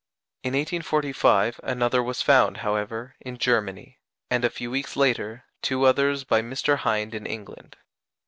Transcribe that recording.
In 1845 another was found, however, in Germany, and a few weeks later two others by Mr. Hind in England.